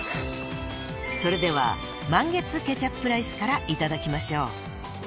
［それでは満月ケチャップライスからいただきましょう］